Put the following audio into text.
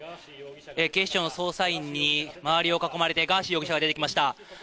警視庁の捜査員に周りを囲まれて、ガーシー容疑者が出てきました。